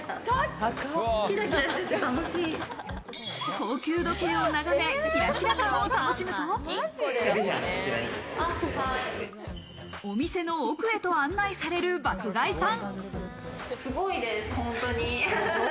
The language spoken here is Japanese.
高級時計を眺めキラキラ感を楽しむと、お店の奥へと案内される爆買いさん。